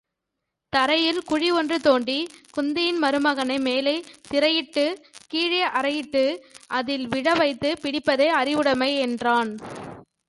தரையில் குழி ஒன்றுதோண்டிக் குந்தியின் மருமகனை மேலே திரையிட்டுக் கீழே அறையிட்டு அதில் விழவைத்துப் பிடிப்பதே அறிவுடமை என்றான்.